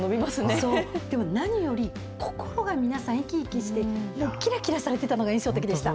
でも何より、心が皆さん、生き生きして、きらきらされてたのが印象的でした。